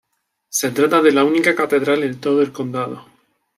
Se trata de la única catedral en todo el condado.